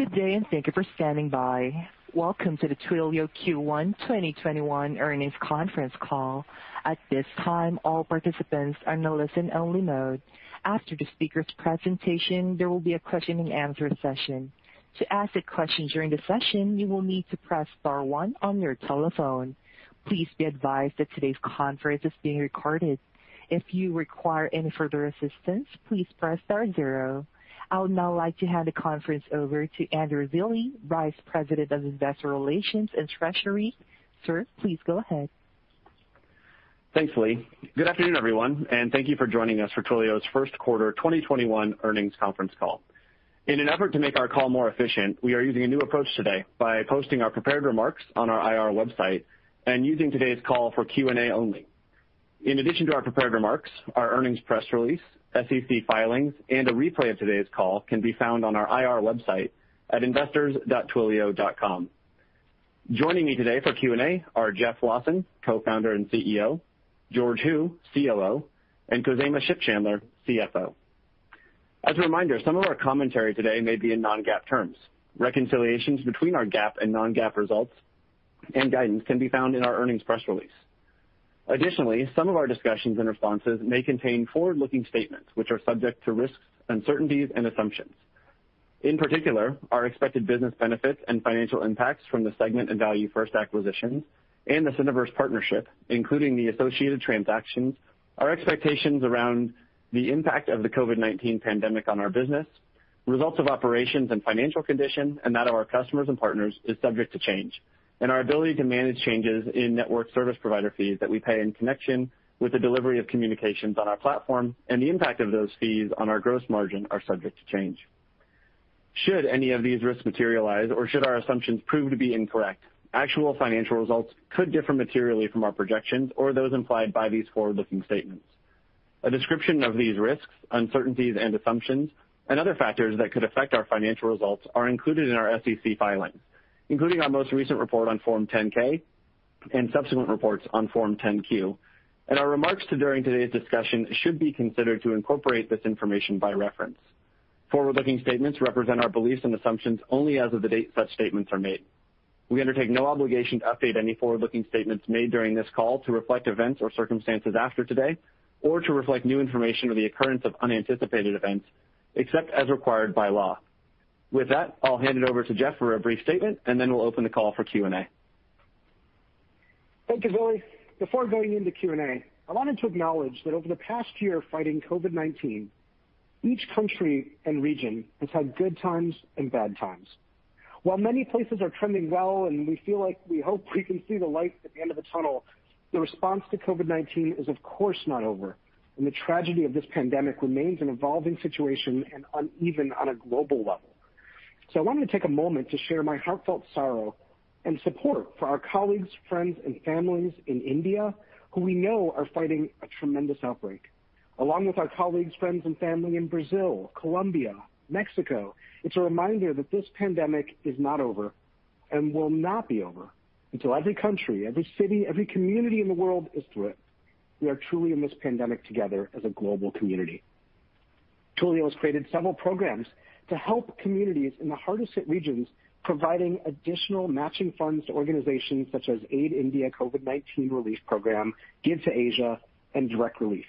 Good day, thank you for standing by. Welcome to the Twilio Q1 2021 Earnings Conference Call. At this time, all participants are in listen-only mode. After the speakers' presentation, there will be a question-and-answer session. To ask a question during the session, you will need to press star one on your telephone. Please be advised that today's conference is being recorded. If you require any further assistance, please press star zero. I would now like to hand the conference over to Andrew Zilli, Vice President of Investor Relations and Treasury. Sir, please go ahead. Thanks, Lee. Good afternoon, everyone. Thank you for joining us for Twilio's Q1 2021 earnings conference call. In an effort to make our call more efficient, we are using a new approach today by posting our prepared remarks on our IR website and using today's call for Q&A only. In addition to our prepared remarks, our earnings press release, SEC filings, and a replay of today's call can be found on our IR website at investors.twilio.com. Joining me today for Q&A are Jeff Lawson, Co-Founder and CEO, George Hu, COO, and Khozema Shipchandler, CFO. As a reminder, some of our commentary today may be in non-GAAP terms. Reconciliations between our GAAP and non-GAAP results and guidance can be found in our earnings press release. Some of our discussions and responses may contain forward-looking statements which are subject to risks, uncertainties, and assumptions. In particular, our expected business benefits and financial impacts from the Segment and ValueFirst acquisitions and the Syniverse partnership, including the associated transactions, our expectations around the impact of the COVID-19 pandemic on our business, results of operations and financial condition, and that of our customers and partners is subject to change. Our ability to manage changes in network service provider fees that we pay in connection with the delivery of communications on our platform, and the impact of those fees on our gross margin are subject to change. Should any of these risks materialize, or should our assumptions prove to be incorrect, actual financial results could differ materially from our projections or those implied by these forward-looking statements. A description of these risks, uncertainties, and assumptions and other factors that could affect our financial results are included in our SEC filings, including our most recent report on Form 10-K and subsequent reports on Form 10-Q. Our remarks during today's discussion should be considered to incorporate this information by reference. Forward-looking statements represent our beliefs and assumptions only as of the date such statements are made. We undertake no obligation to update any forward-looking statements made during this call to reflect events or circumstances after today or to reflect new information or the occurrence of unanticipated events, except as required by law. With that, I'll hand it over to Jeff for a brief statement, and then we'll open the call for Q&A. Thank you, Zilli. Before going into Q&A, I wanted to acknowledge that over the past year fighting COVID-19, each country and region has had good times and bad times. While many places are trending well and we feel like we hope we can see the light at the end of the tunnel, the response to COVID-19 is of course not over, and the tragedy of this pandemic remains an evolving situation and uneven on a global level. I wanted to take a moment to share my heartfelt sorrow and support for our colleagues, friends, and families in India who we know are fighting a tremendous outbreak, along with our colleagues, friends, and family in Brazil, Colombia, Mexico. It's a reminder that this pandemic is not over and will not be over until every country, every city, every community in the world is through it. We are truly in this pandemic together as a global community. Twilio has created several programs to help communities in the hardest hit regions, providing additional matching funds to organizations such as AID India COVID-19 Relief Program, Give2Asia, and Direct Relief.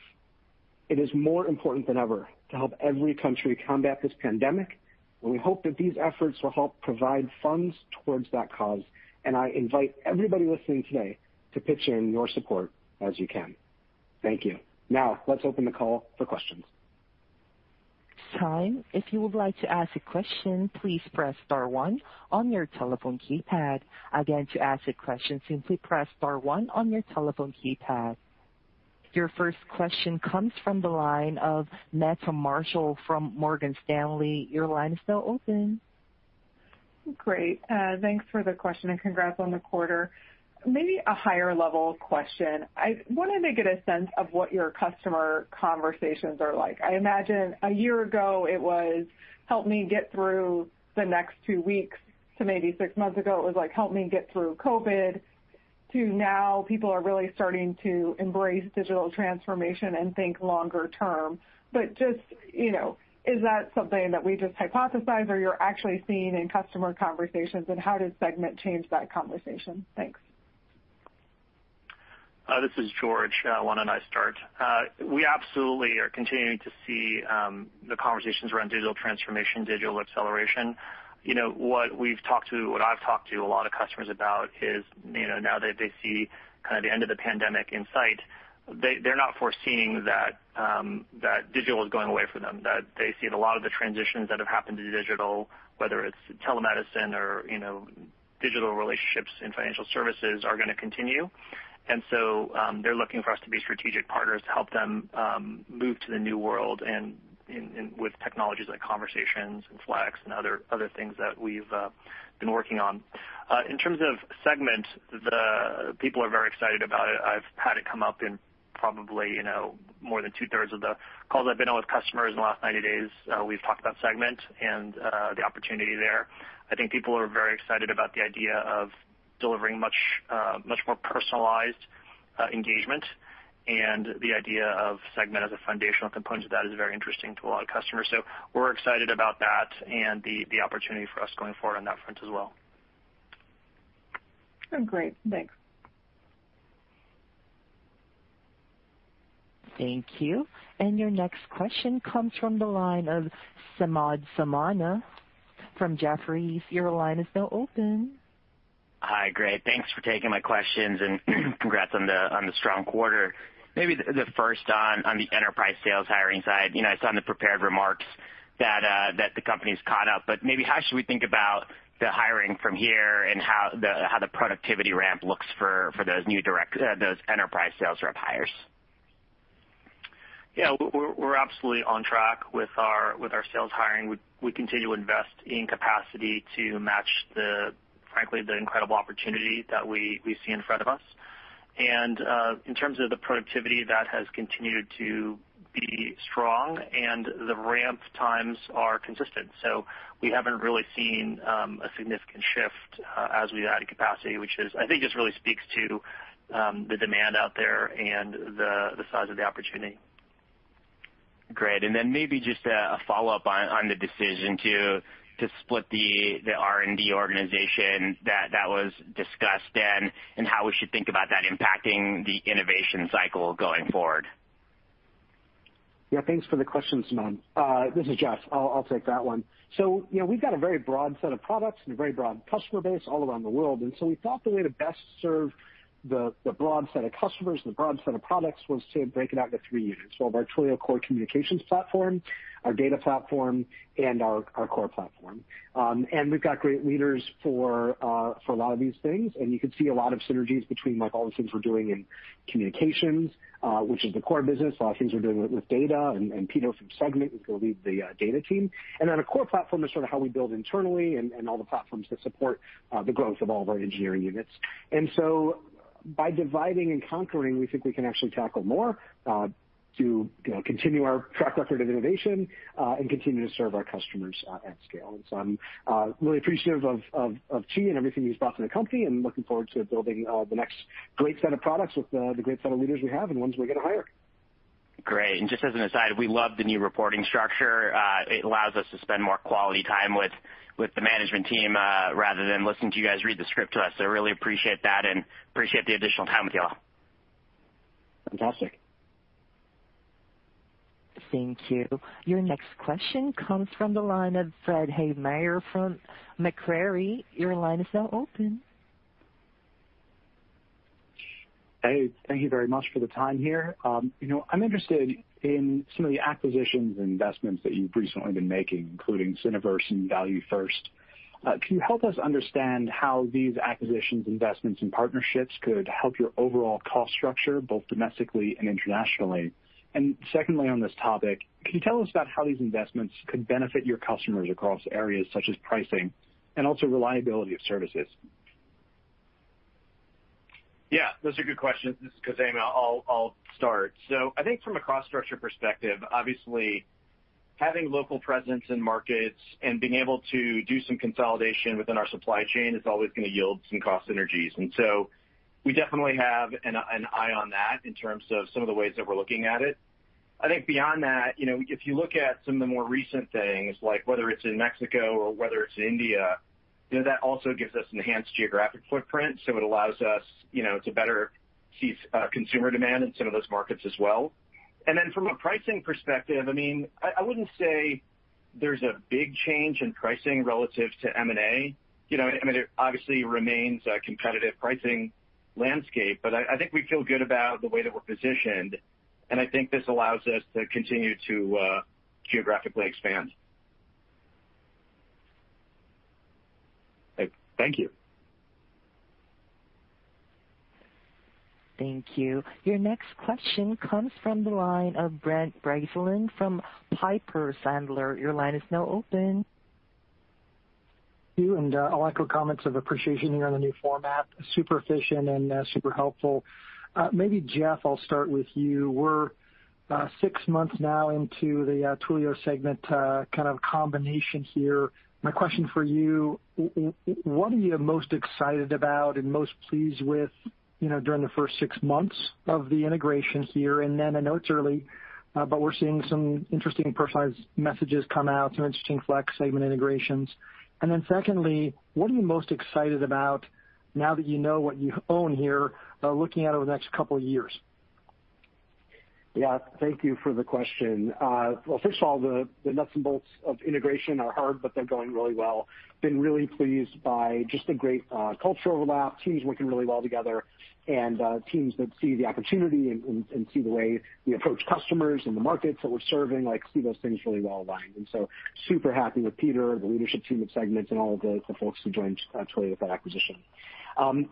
It is more important than ever to help every country combat this pandemic, and we hope that these efforts will help provide funds towards that cause, and I invite everybody listening today to pitch in your support as you can. Thank you. Now, let's open the call for questions. If you would like to ask a question, please press star one on your telephone keypad. Again, to ask a question, simply press star one on your telephone keypad. Your first question comes from the line of Meta Marshall from Morgan Stanley. Your line is now open. Great. Thanks for the question and congrats on the quarter. Maybe a higher-level question. I wanted to get a sense of what your customer conversations are like. I imagine a year ago it was, "Help me get through the next two weeks," to maybe six months ago, it was, "Help me get through COVID-19," to now people are really starting to embrace digital transformation and think longer term. Is that something that we just hypothesized or you're actually seeing in customer conversations, and how does Segment change that conversation? Thanks. This is George. Why don't I start? We absolutely are continuing to see the conversations around digital transformation, digital acceleration. What I've talked to a lot of customers about is now that they see kind of the end of the pandemic in sight, they're not foreseeing that digital is going away for them, that they see a lot of the transitions that have happened to digital, whether it's telemedicine or digital relationships in financial services, are going to continue. They're looking for us to be strategic partners to help them move to the new world, with technologies like Twilio Conversations and Twilio Flex and other things that we've been working on. In terms of Segment, the people are very excited about it. I've had it come up in probably more than 2/3 of the calls I've been on with customers in the last 90 days. We've talked about Segment and the opportunity there. I think people are very excited about the idea of delivering much more personalized engagement, and the idea of Segment as a foundational component of that is very interesting to a lot of customers. We're excited about that and the opportunity for us going forward on that front as well. Great. Thanks. Thank you. Your next question comes from the line of Samad Samana from Jefferies. Your line is now open. Hi. Great. Thanks for taking my questions and congrats on the strong quarter. Maybe the first on the enterprise sales hiring side. I saw in the prepared remarks that the company's caught up, but maybe how should we think about the hiring from here and how the productivity ramp looks for those enterprise sales rep hires? Yeah, we're absolutely on track with our sales hiring. We continue to invest in capacity to match the, frankly, the incredible opportunity that we see in front of us. In terms of the productivity, that has continued to be strong and the ramp times are consistent. We haven't really seen a significant shift as we've added capacity, which is, I think, just really speaks to the demand out there and the size of the opportunity. Great. Maybe just a follow-up on the decision to split the R&D organization that was discussed then, and how we should think about that impacting the innovation cycle going forward. Yeah. Thanks for the questions, Samad. This is Jeff. I'll take that one. We've got a very broad set of products and a very broad customer base all around the world, we thought the way to best serve the broad set of customers and the broad set of products was to break it out into three units. We have our Twilio core communications platform, our data platform, and our core platform. We've got great leaders for a lot of these things, and you could see a lot of synergies between all the things we're doing in communications, which is the core business, a lot of things we're doing with data, and Peter from Segment, who's going to lead the data team. A core platform is sort of how we build internally and all the platforms that support the growth of all of our engineering units. By dividing and conquering, we think we can actually tackle more, to continue our track record of innovation, and continue to serve our customers at scale. I'm really appreciative of Chee and everything he's brought to the company and looking forward to building the next great set of products with the great set of leaders we have and ones we're going to hire. Great. Just as an aside, we love the new reporting structure. It allows us to spend more quality time with the management team, rather than listen to you guys read the script to us. Really appreciate that and appreciate the additional time with you all. Fantastic. Thank you. Your next question comes from the line of Fred Havemeyer from Macquarie. Your line is now open. Hey, thank you very much for the time here. I'm interested in some of the acquisitions and investments that you've recently been making, including Syniverse and ValueFirst. Can you help us understand how these acquisitions, investments, and partnerships could help your overall cost structure, both domestically and internationally? Secondly, on this topic, can you tell us about how these investments could benefit your customers across areas such as pricing and also reliability of services? Those are good questions. This is Khozema. I'll start. I think from a cost structure perspective, obviously having local presence in markets and being able to do some consolidation within our supply chain is always going to yield some cost synergies. We definitely have an eye on that in terms of some of the ways that we're looking at it. I think beyond that, if you look at some of the more recent things, like whether it's in Mexico or whether it's in India, that also gives us enhanced geographic footprint. It allows us to better see consumer demand in some of those markets as well. From a pricing perspective, I wouldn't say there's a big change in pricing relative to M&A. It obviously remains a competitive pricing landscape, but I think we feel good about the way that we're positioned, and I think this allows us to continue to geographically expand. Thank you. Thank you. Your next question comes from the line of Brent Bracelin from Piper Sandler. Your line is now open. Thank you. I'll echo comments of appreciation here on the new format. Super efficient and super helpful. Maybe Jeff, I'll start with you. We're six months now into the Twilio Segment combination here. My question for you, what are you most excited about and most pleased with during the first six months of the integration here? I know it's early, but we're seeing some interesting personalized messages come out, some interesting Flex Segment integrations. Secondly, what are you most excited about now that you know what you own here, looking out over the next couple of years? Yeah. Thank you for the question. Well, first of all, the nuts and bolts of integration are hard, but they're going really well. I've been really pleased by just the great culture overlap, teams working really well together, and teams that see the opportunity and see the way we approach customers and the markets that we're serving, see those things really well aligned. Super happy with Peter, the leadership team at Segment, and all of the folks who joined Twilio with that acquisition. Talking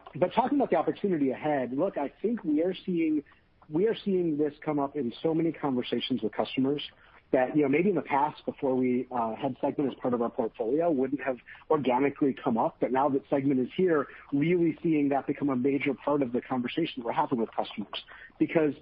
about the opportunity ahead, look, I think we are seeing this come up in so many conversations with customers that maybe in the past before we had Segment as part of our portfolio wouldn't have organically come up. Now that Segment is here, really seeing that become a major part of the conversations we're having with customers. Because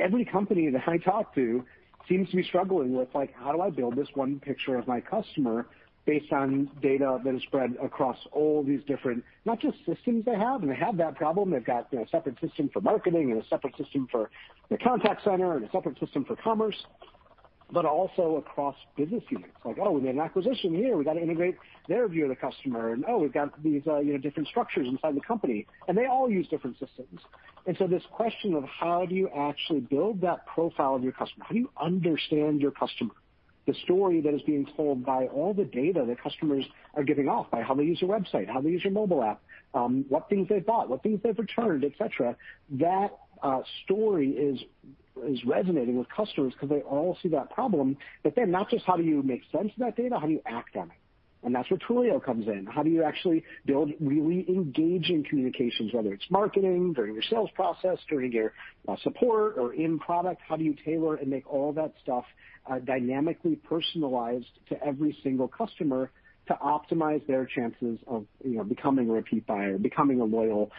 every company that I talk to seems to be struggling with, how do I build this one picture of my customer based on data that is spread across all these different, not just systems they have, and they have that problem. They've got a separate system for marketing and a separate system for their contact center and a separate system for commerce, but also across business units. Like, oh, we made an acquisition here. We got to integrate their view of the customer. Oh, we've got these different structures inside the company, and they all use different systems. This question of how do you actually build that profile of your customer? How do you understand your customer? The story that is being told by all the data that customers are giving off by how they use your website, how they use your mobile app, what things they've bought, what things they've returned, et cetera. That story is resonating with customers because they all see that problem. Not just how do you make sense of that data, how do you act on it? That's where Twilio comes in. How do you actually build really engaging communications, whether it's marketing during your sales process, during your support or in product, how do you tailor and make all that stuff dynamically personalized to every single customer to optimize their chances of becoming a repeat buyer, becoming a loyal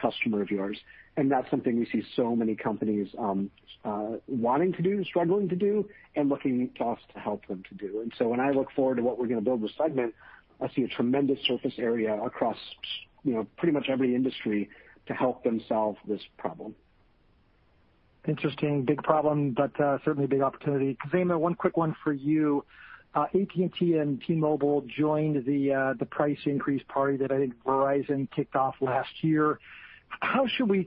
customer of yours? That's something we see so many companies wanting to do and struggling to do and looking to us to help them to do. When I look forward to what we're going to build with Segment, I see a tremendous surface area across pretty much every industry to help them solve this problem. Interesting. Big problem, certainly a big opportunity. Khozema, one quick one for you. AT&T and T-Mobile joined the price increase party that I think Verizon kicked off last year. How should we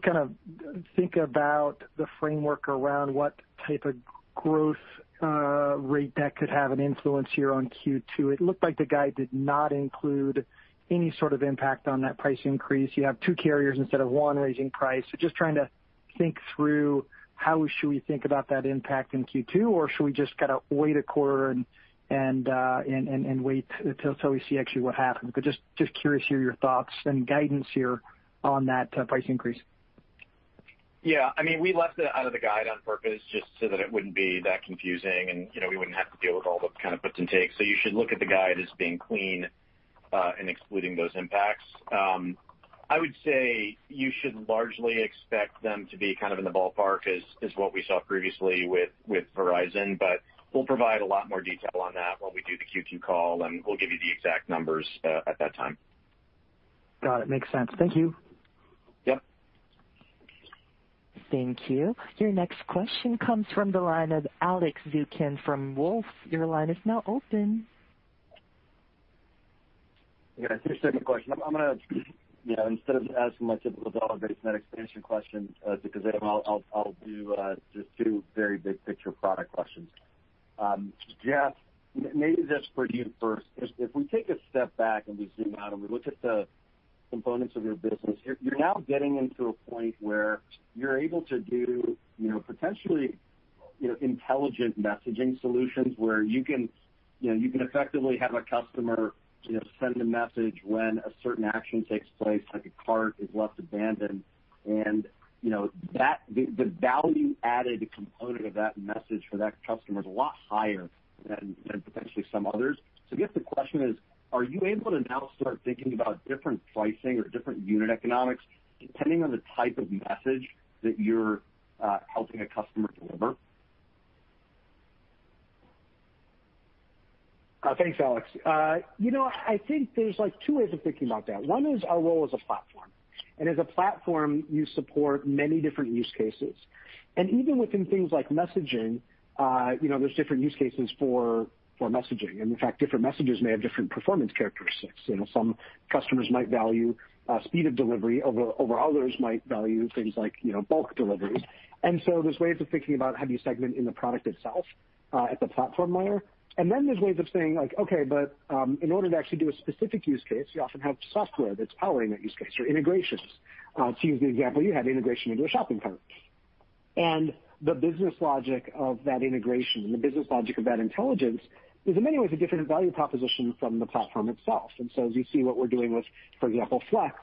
think about the framework around what type of growth rate that could have an influence here on Q2? It looked like the guide did not include any sort of impact on that price increase. You have two carriers instead of one raising price. Just trying to think through how should we think about that impact in Q2, or should we just wait a quarter and wait until we see actually what happens. Just curious to hear your thoughts and guidance here on that price increase. Yeah, we left it out of the guide on purpose just so that it wouldn't be that confusing, and we wouldn't have to deal with all the kind of puts and takes. You should look at the guide as being clean, and excluding those impacts. I would say you should largely expect them to be in the ballpark as what we saw previously with Verizon. We'll provide a lot more detail on that when we do the Q2 call, and we'll give you the exact numbers at that time. Got it. Makes sense. Thank you. Yep. Thank you. Your next question comes from the line of Alex Zukin from Wolfe. Yeah. Two-second question. I'm going to instead of asking my typical dollar-based net expansion question, to Khozema, I'll do just two very big picture product questions. Jeff, maybe this is for you first. If we take a step back and we zoom out and we look at the components of your business, you're now getting into a point where you're able to do potentially intelligent messaging solutions where you can effectively have a customer send a message when a certain action takes place, like a cart is left abandoned. The value-added component of that message for that customer is a lot higher than potentially some others. I guess the question is, are you able to now start thinking about different pricing or different unit economics depending on the type of message that you're helping a customer deliver? Thanks, Alex. I think there's two ways of thinking about that. One is our role as a platform. As a platform, you support many different use cases. Even within things like messaging, there's different use cases for messaging. In fact, different messengers may have different performance characteristics. Some customers might value speed of delivery over others might value things like bulk delivery. There's ways of thinking about how do you segment in the product itself, at the platform layer. There's ways of saying like, okay, but in order to actually do a specific use case, you often have software that's powering that use case or integrations. To use the example, you have integration into a shopping cart. The business logic of that integration and the business logic of that intelligence is in many ways a different value proposition from the platform itself. As you see what we're doing with, for example, Flex,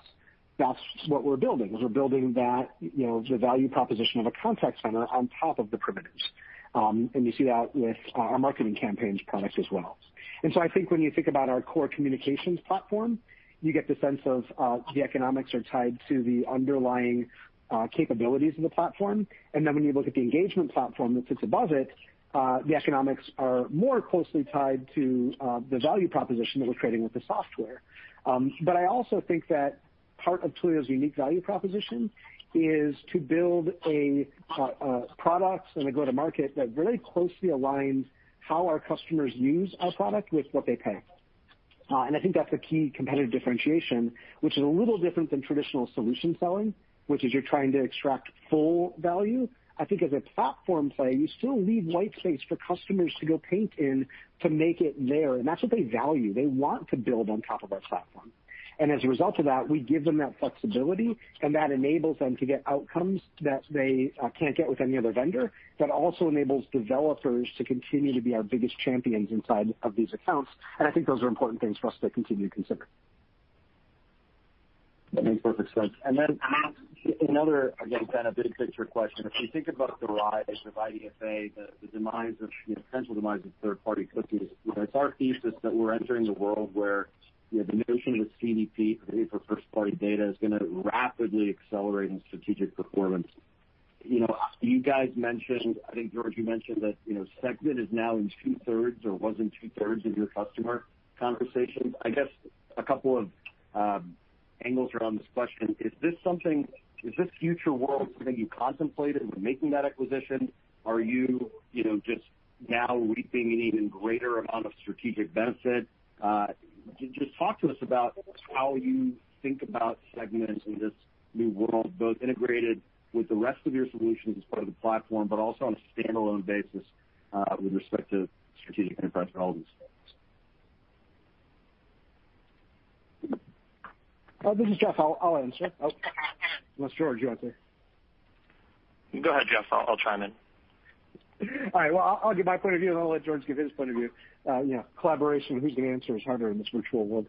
that's what we're building, is we're building the value proposition of a contact center on top of the primitives. You see that with our Marketing Campaigns products as well. I think when you think about our core communications platform, you get the sense of the economics are tied to the underlying capabilities of the platform. When you look at the engagement platform that sits above it, the economics are more closely tied to the value proposition that we're creating with the software. I also think that part of Twilio's unique value proposition is to build a product and a go-to-market that very closely aligns how our customers use our product with what they pay. I think that's a key competitive differentiation, which is a little different than traditional solution selling, which is you're trying to extract full value. I think as a platform play, you still leave white space for customers to go paint in to make it theirs, and that's what they value. They want to build on top of our platform. As a result of that, we give them that flexibility, and that enables them to get outcomes that they can't get with any other vendor. That also enables developers to continue to be our biggest champions inside of these accounts. I think those are important things for us to continue to consider. Another big picture question. If we think about the rise of IDFA, the potential demise of third-party cookies. It's our thesis that we're entering a world where the notion of the CDP for first-party data is going to rapidly accelerate in strategic performance. You guys mentioned, I think, George, you mentioned that Segment is now in 2/3 or was in 2/3 of your customer conversations. I guess a couple of angles around this question. Is this future world something you contemplated when making that acquisition? Are you just now reaping an even greater amount of strategic benefit? Just talk to us about how you think about Segment in this new world, both integrated with the rest of your solutions as part of the platform, but also on a standalone basis with respect to strategic enterprise and all these things. This is Jeff. I'll answer. Unless, George, you want to? Go ahead, Jeff. I'll chime in. All right. Well, I'll give my point of view, and I'll let George give his point of view. Collaboration, who's going to answer, is harder in this virtual world.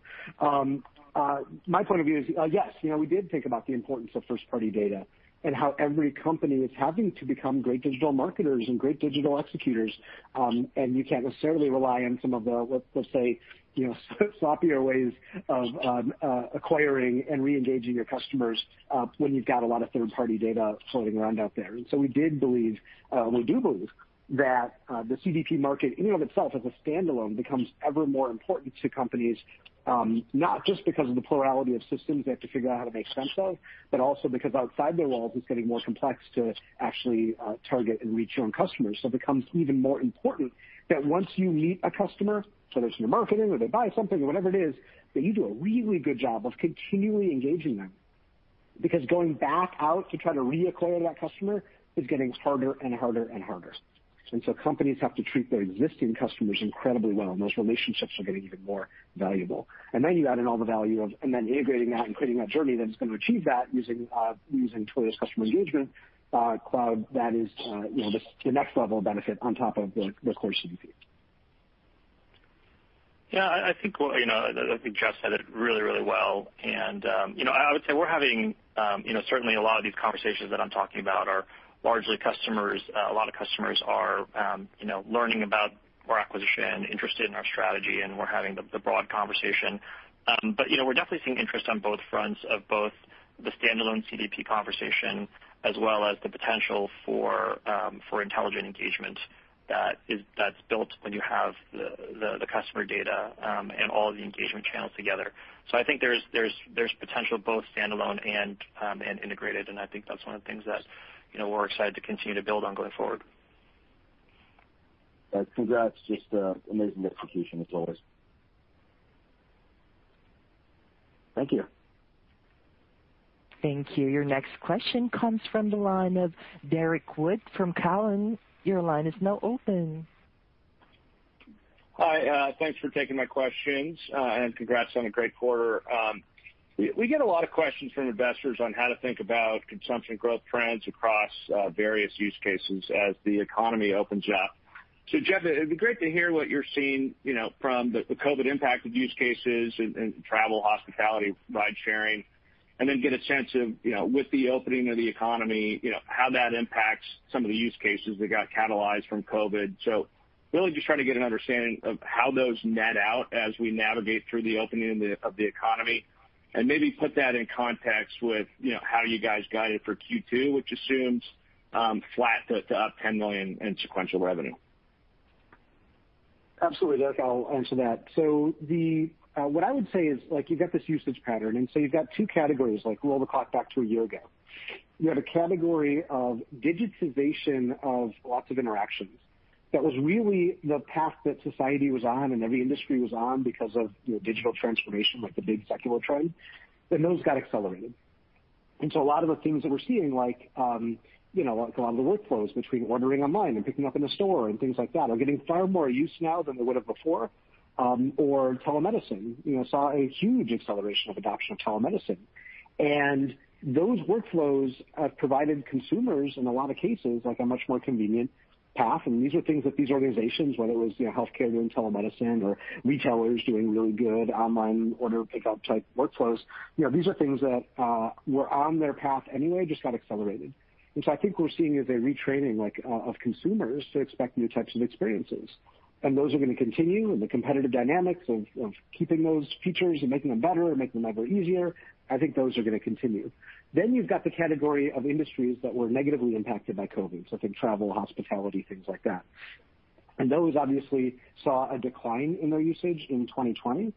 My point of view is, yes, we did think about the importance of first-party data and how every company is having to become great digital marketers and great digital executors. You can't necessarily rely on some of the, let's say, sloppier ways of acquiring and re-engaging your customers, when you've got a lot of third-party data floating around out there. We do believe that the CDP market, in and of itself as a standalone, becomes ever more important to companies, not just because of the plurality of systems they have to figure out how to make sense of, but also because outside their walls, it's getting more complex to actually target and reach your own customers. It becomes even more important that once you meet a customer, whether it's in your marketing or they buy something or whatever it is, that you do a really good job of continually engaging them. Going back out to try to reacquire that customer is getting harder and harder. Companies have to treat their existing customers incredibly well, and those relationships are getting even more valuable. Then you add in all the value of integrating that and creating that journey that is going to achieve that using Twilio's customer engagement cloud. That is the next level of benefit on top of the core CDP. Yeah, I think Jeff said it really well. I would say we're having certainly a lot of these conversations that I'm talking about are largely customers. A lot of customers are learning about our acquisition, interested in our strategy, and we're having the broad conversation. We're definitely seeing interest on both fronts of both the standalone CDP conversation as well as the potential for intelligent engagement that's built when you have the customer data and all the engagement channels together. I think there's potential both standalone and integrated, and I think that's one of the things that we're excited to continue to build on going forward. Congrats. Just amazing execution as always. Thank you. Thank you. Your next question comes from the line of Derrick Wood from Cowen. Your line is now open. Hi. Thanks for taking my questions. Congrats on a great quarter. We get a lot of questions from investors on how to think about consumption growth trends across various use cases as the economy opens up. Jeff, it'd be great to hear what you're seeing from the COVID-19 impact of use cases in travel, hospitality, ride sharing, get a sense of, with the opening of the economy, how that impacts some of the use cases that got catalyzed from COVID-19. Really just trying to get an understanding of how those net out as we navigate through the opening of the economy, maybe put that in context with how you guys guided for Q2, which assumes flat to up $10 million in sequential revenue. Absolutely, Derrick. I'll answer that. What I would say is, you've got this usage pattern, you've got two categories, roll the clock back to a year ago. You have a category of digitization of lots of interactions. That was really the path that society was on and every industry was on because of digital transformation, like the big secular trend, and those got accelerated. A lot of the things that we're seeing, like a lot of the workflows between ordering online and picking up in a store and things like that, are getting far more use now than they would have before or telemedicine. Saw a huge acceleration of adoption of telemedicine. Those workflows have provided consumers, in a lot of cases, a much more convenient path. These are things that these organizations, whether it was healthcare doing telemedicine or retailers doing really good online order pickup type workflows, these are things that were on their path anyway, just got accelerated. I think we're seeing is a retraining of consumers to expect new types of experiences. Those are going to continue, and the competitive dynamics of keeping those features and making them better and making them ever easier, I think those are going to continue. You've got the category of industries that were negatively impacted by COVID-19, so think travel, hospitality, things like that. Those obviously saw a decline in their usage in 2020,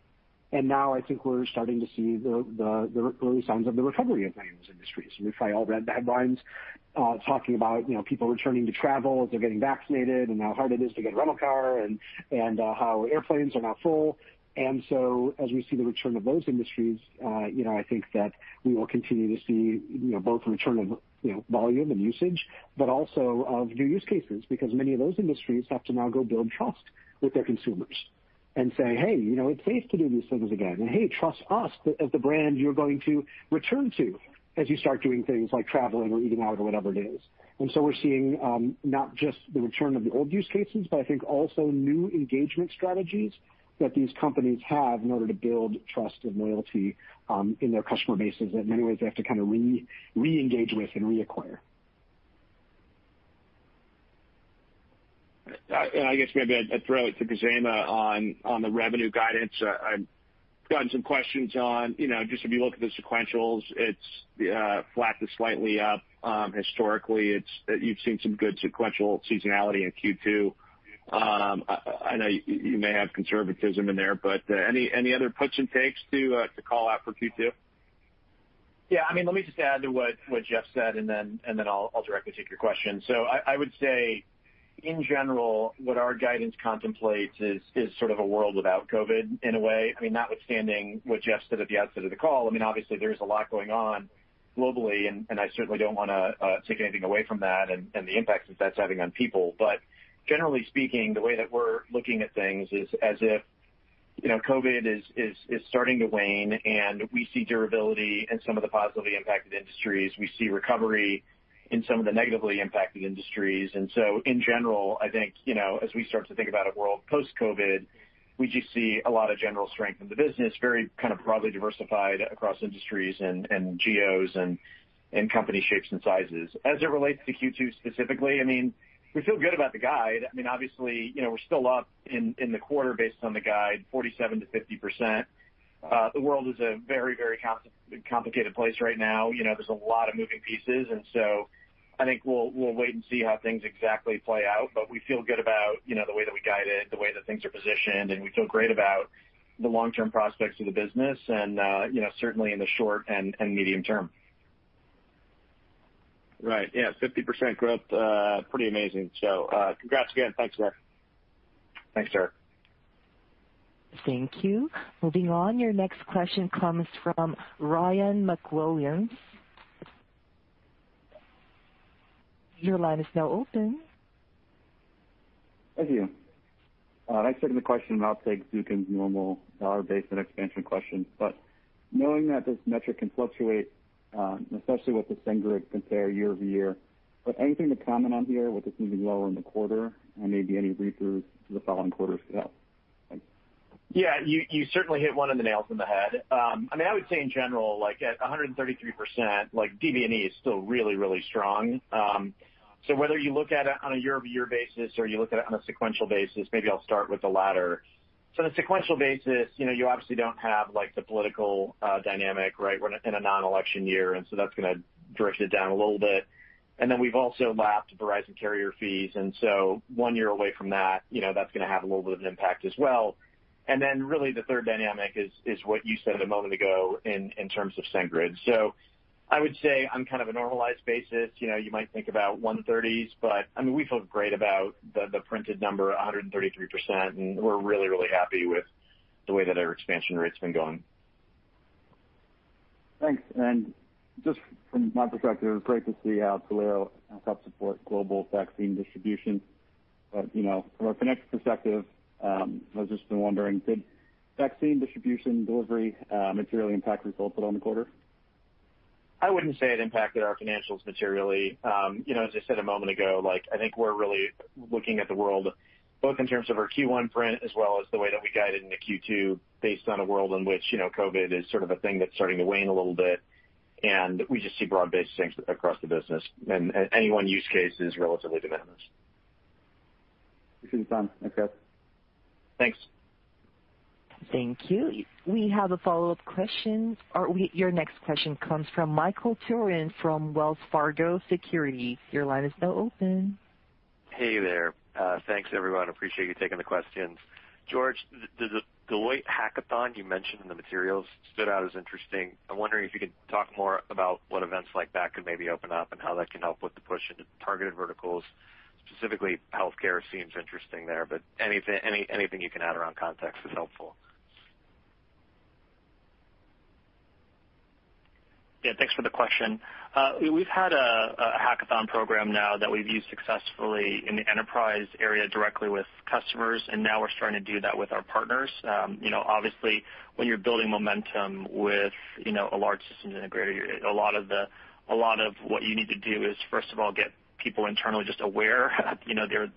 and now I think we're starting to see the early signs of the recovery of many of those industries, which I already read the headlines, talking about people returning to travel as they're getting vaccinated, and how hard it is to get a rental car, and how airplanes are now full. As we see the return of those industries, I think that we will continue to see both return of volume and usage, but also of new use cases, because many of those industries have to now go build trust with their consumers and say, "Hey, it's safe to do these things again." "Hey, trust us as the brand you're going to return to as you start doing things like traveling or eating out or whatever it is." We're seeing not just the return of the old use cases, but I think also new engagement strategies that these companies have in order to build trust and loyalty in their customer bases, that in many ways they have to re-engage with and reacquire. I guess maybe I'd throw it to Khozema on the revenue guidance. I've gotten some questions on, just if you look at the sequentials, it's flat to slightly up. Historically, you've seen some good sequential seasonality in Q2. I know you may have conservatism in there, but any other puts and takes to call out for Q2? Yeah. Let me just add to what Jeff said, then I'll directly take your question. I would say, in general, what our guidance contemplates is sort of a world without COVID in a way. Notwithstanding what Jeff said at the outset of the call, obviously there's a lot going on globally, and I certainly don't want to take anything away from that and the impact that's having on people. Generally speaking, the way that we're looking at things is as if COVID is starting to wane and we see durability in some of the positively impacted industries. We see recovery in some of the negatively impacted industries. In general, I think as we start to think about a world post-COVID, we just see a lot of general strength in the business, very kind of broadly diversified across industries and geos and company shapes and sizes. As it relates to Q2 specifically, we feel good about the guide. We're still up in the quarter based on the guide, 47%-50%. The world is a very complicated place right now. There's a lot of moving pieces. I think we'll wait and see how things exactly play out. We feel good about the way that we guided, the way that things are positioned, and we feel great about the long-term prospects of the business and certainly in the short and medium term. Right. Yeah, 50% growth, pretty amazing. Congrats again. Thanks, guys. Thanks, Derrick. Thank you. Moving on, your next question comes from Ryan MacWilliams. Your line is now open. Thank you. I certainly have a question, and I'll take Zukin's normal dollar-based and expansion questions. Knowing that this metric can fluctuate, especially with the SendGrid compare year-over-year, but anything to comment on here with this moving lower in the quarter and maybe any read-through to the following quarters for that? Thanks. Yeah, you certainly hit one of the nails on the head. I would say in general, like at 133%, DBNE is still really strong. Whether you look at it on a year-over-year basis or you look at it on a sequential basis, maybe I'll start with the latter. The sequential basis, you obviously don't have the political dynamic, right? We're in a non-election year, that's going to drift it down a little bit. We've also lapped Verizon carrier fees, one year away from that's going to have a little bit of an impact as well. Really the third dynamic is what you said a moment ago in terms of SendGrid. I would say on kind of a normalized basis, you might think about 130s, but we feel great about the printed number, 133%, and we're really happy with the way that our expansion rate's been going. Thanks. Just from my perspective, great to see how Twilio helped support global vaccine distribution. From a financial perspective, I've just been wondering, did vaccine distribution delivery materially impact results at all in the quarter? I wouldn't say it impacted our financials materially. As I said a moment ago, I think we're really looking at the world both in terms of our Q1 print as well as the way that we guided into Q2 based on a world in which COVID is sort of a thing that's starting to wane a little bit, and we just see broad-based things across the business, and any one use case is relatively de minimis. Understood. Okay. Thanks. Thank you. We have a follow-up question. Your next question comes from Michael Turrin from Wells Fargo Securities. Your line is now open. Hey there. Thanks, everyone. Appreciate you taking the questions. George, the Deloitte hackathon you mentioned in the materials stood out as interesting. I'm wondering if you could talk more about what events like that could maybe open up and how that can help with the push into targeted verticals. Specifically, healthcare seems interesting there, but anything you can add around context is helpful. Yeah, thanks for the question. We've had a hackathon program now that we've used successfully in the enterprise area directly with customers. Now we're starting to do that with our partners. Obviously, when you're building momentum with a large systems integrator, a lot of what you need to do is, first of all, get people internally just aware that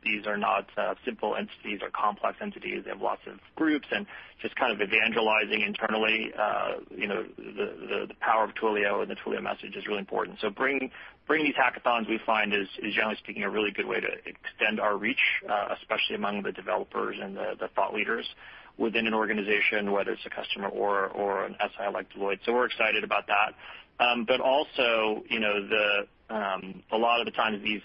these are not simple entities or complex entities. They have lots of groups. Just kind of evangelizing internally the power of Twilio and the Twilio message is really important. Bringing these hackathons we find is, generally speaking, a really good way to extend our reach, especially among the developers and the thought leaders within an organization, whether it's a customer or an SI like Deloitte. We're excited about that. Also, a lot of the time, these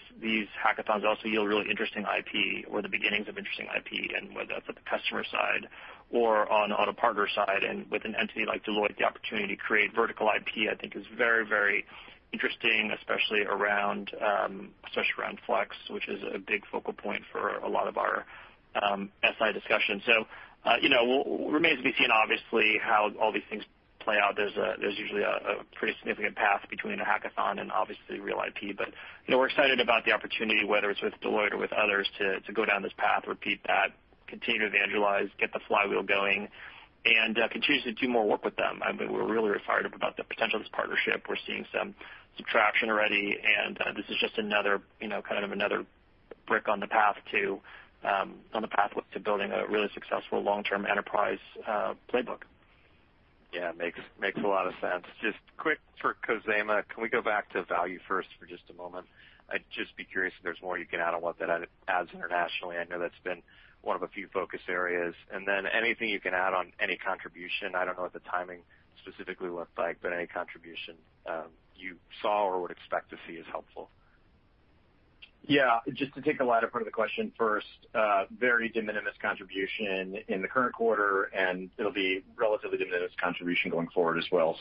hackathons also yield really interesting IP or the beginnings of interesting IP, and whether that's at the customer side or on a partner side. With an entity like Deloitte, the opportunity to create vertical IP, I think is very interesting, especially around Flex, which is a big focal point for a lot of our SI discussions. Remains to be seen, obviously, how all these things play out. There's usually a pretty significant path between a hackathon and obviously real IP. We're excited about the opportunity, whether it's with Deloitte or with others, to go down this path, repeat that, continue to evangelize, get the flywheel going, and continue to do more work with them. We're really excited about the potential of this partnership. We're seeing some traction already, and this is just another brick on the path to building a really successful long-term enterprise playbook. Yeah. Makes a lot of sense. Just quick for Khozema, can we go back to ValueFirst for just a moment? I'd just be curious if there's more you can add on what that adds internationally. I know that's been one of the few focus areas. Anything you can add on any contribution. I don't know what the timing specifically looked like, but any contribution you saw or would expect to see is helpful. Just to take the latter part of the question first, very de minimis contribution in the current quarter, and it'll be relatively de minimis contribution going forward as well.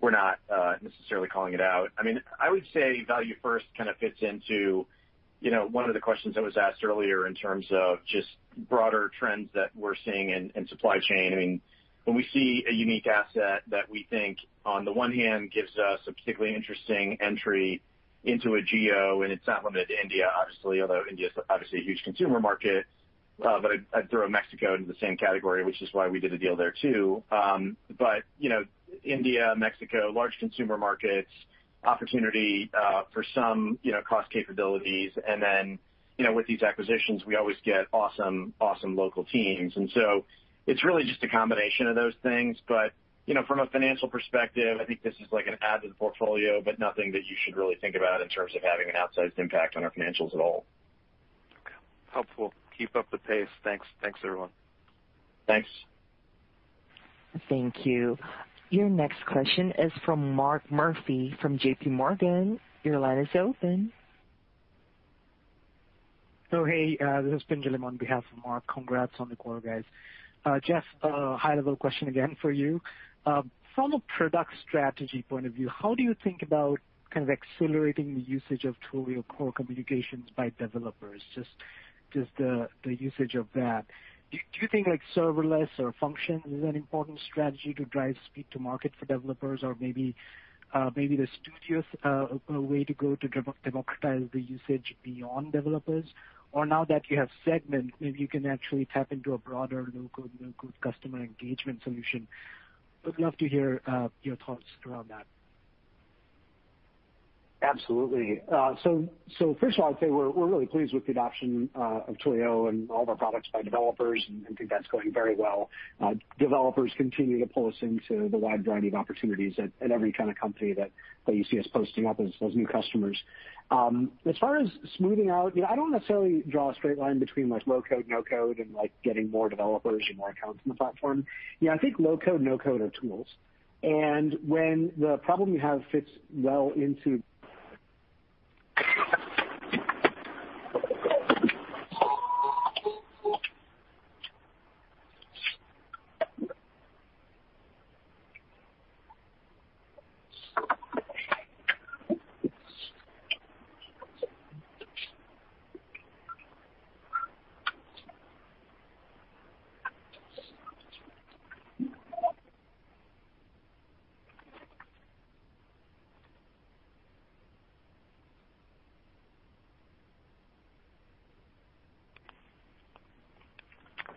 We're not necessarily calling it out. I would say ValueFirst kind of fits into one of the questions that was asked earlier in terms of just broader trends that we're seeing in supply chain. When we see a unique asset that we think on the one hand gives us a particularly interesting entry into a geo, and it's not limited to India, obviously, although India's obviously a huge consumer market. I'd throw Mexico into the same category, which is why we did a deal there too. India, Mexico, large consumer markets, opportunity, for some, cross capabilities. With these acquisitions, we always get awesome local teams. It's really just a combination of those things. From a financial perspective, I think this is like an add to the portfolio, but nothing that you should really think about in terms of having an outsized impact on our financials at all. Okay. Helpful. Keep up the pace. Thanks, everyone. Thanks. Thank you. Your next question is from Mark Murphy from J.P. Morgan. Your line is open. Oh, hey. This is Pinjalim on behalf of Mark. Congrats on the quarter, guys. Jeff, a high-level question again for you. From a product strategy point of view, how do you think about kind of accelerating the usage of Twilio core communications by developers? Just the usage of that. Do you think like serverless or Functions is an important strategy to drive speed to market for developers? Or maybe the Studio's a way to go to democratize the usage beyond developers? Or now that you have Segment, maybe you can actually tap into a broader low-code/no-code customer engagement solution. Would love to hear your thoughts around that. Absolutely. First of all, I'd say we're really pleased with the adoption of Twilio and all of our products by developers, and think that's going very well. Developers continue to pull us into the wide variety of opportunities at every kind of company that you see us posting up as those new customers. As far as smoothing out, I don't necessarily draw a straight line between low-code/no-code and getting more developers and more accounts in the platform. I think low-code/no-code are tools, and when the problem you have fits well into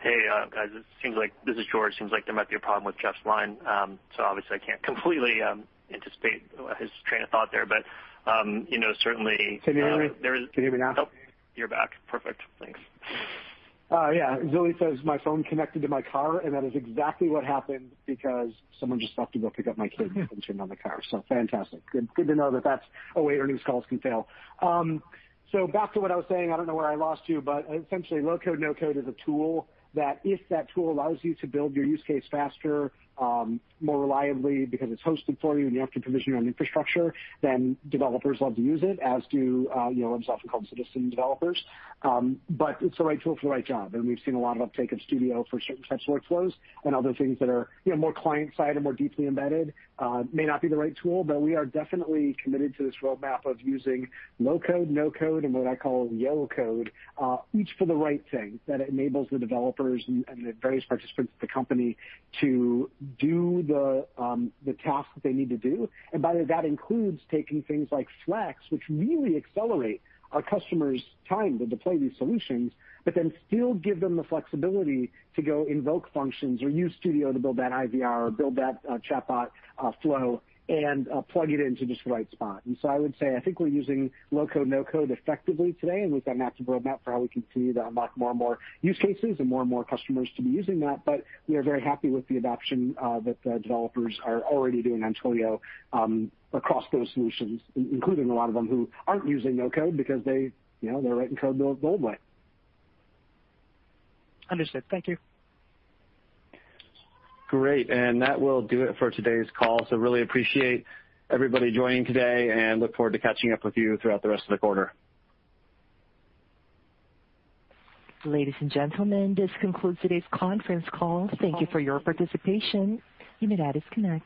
Hey, guys. This is George. Seems like there might be a problem with Jeff's line. Obviously I can't completely anticipate his train of thought there, but certainly. Can you hear me now? Oh, you're back. Perfect. Thanks. Yeah. Zoe says my phone connected to my car, that is exactly what happened because someone just stopped to go pick up my kids and turned on the car. Fantastic. Good to know that that's a way earnings calls can fail. Back to what I was saying. I don't know where I lost you, essentially, low-code/no-code is a tool that if that tool allows you to build your use case faster, more reliably because it's hosted for you and you have to provision your own infrastructure, developers love to use it, as do what's often called citizen developers. It's the right tool for the right job, we've seen a lot of uptake of Studio for certain types of workflows and other things that are more client side and more deeply embedded. May not be the right tool, but we are definitely committed to this roadmap of using low-code/no-code and what I call yellow code, each for the right thing, that enables the developers and the various participants of the company to do the tasks that they need to do. By the way, that includes taking things like Flex, which really accelerate our customers' time to deploy these solutions, but then still give them the flexibility to go invoke functions or use Studio to build that IVR or build that chatbot flow and plug it into just the right spot. I would say I think we're using low-code/no-code effectively today, and we've got a massive roadmap for how we can continue to unlock more and more use cases and more and more customers to be using that. We are very happy with the adoption that the developers are already doing on Twilio across those solutions, including a lot of them who aren't using no-code because they're writing code the old way. Understood. Thank you. Great. That will do it for today's call. Really appreciate everybody joining today and look forward to catching up with you throughout the rest of the quarter. Ladies and gentlemen, this concludes today's conference call. Thank you for your participation. You may disconnect.